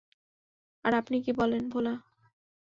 আর আপনি কী বলে ভোলান?